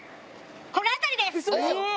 この辺りです！